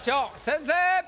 先生！